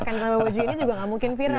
karena wajah ini juga tidak mungkin viral ya pak